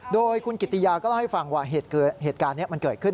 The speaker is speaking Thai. โดยคุณกิติยาก็เล่าให้ฟังว่าเหตุการณ์นี้มันเกิดขึ้น